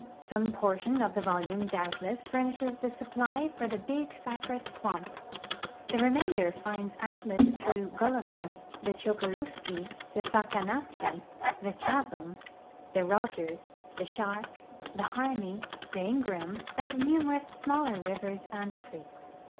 Some portion of the volume doul)tless furnishes the supply for tlie Big Cypress swam}). The remainder finds outlet through Gullivans, the Chokaluskee, the Fahkahnatchee, the Chatham, the Rogers, the Shark, the Harney, the Ingraham, and numerous smaller rivers and creeks.